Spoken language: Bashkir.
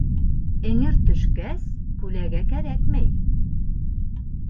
Эңер төшкәс, күләгә кәрәкмәй.